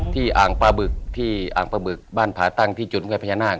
อ่างปลาบึกที่อ่างปลาบึกบ้านผาตั้งที่จุดด้วยพญานาค